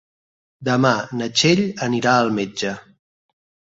Demà na Txell anirà al metge.